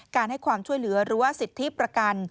ให้ความช่วยเหลือหรือว่าสิทธิประกัน